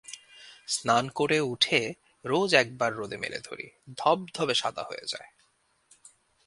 স্নান করে উঠে রোজ একবার রোদে মেলে ধরি, ধবধবে সাদা হয়ে যায়।